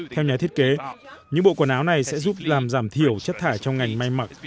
theo nhà thiết kế những bộ quần áo này sẽ giúp làm giảm thiểu chất thải trong ngành may mặc